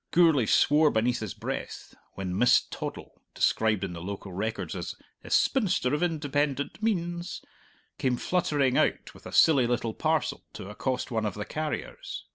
Gourlay swore beneath his breath when Miss Toddle described in the local records as "a spinster of independent means" came fluttering out with a silly little parcel to accost one of the carriers.